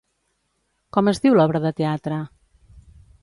Com es diu l'obra de teatre?